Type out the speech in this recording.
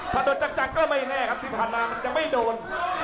ถ้าโดนจักจักก็ไม่แน่ครับที่ภาระมันยังไม่โดน